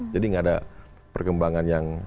jadi nggak ada perkembangan yang